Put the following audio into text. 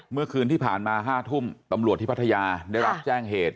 เมื่อคืนที่ผ่านมา๕ทุ่มตำรวจที่พัทยาได้รับแจ้งเหตุ